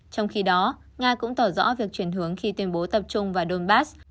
trong khi đó nga cũng tỏ rõ việc chuyển hướng khi tuyên bố tập trung vào donbass